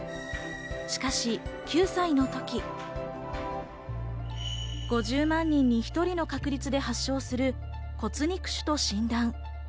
しかし９歳のとき、５０万人に１人の確率で発症する骨肉腫と診断。